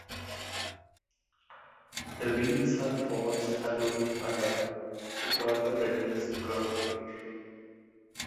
The wheels are forged aluminum alloy, to further reduce curb weight.